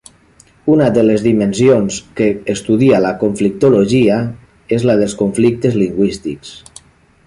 Una de les dimensions que estudia la conflictologia és la dels conflictes lingüístics.